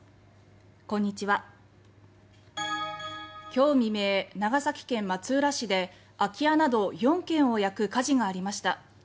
今日未明、長崎県松浦市で空き家など４軒を焼く火事がありました。